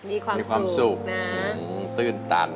มีความสุขนะตื่นตัน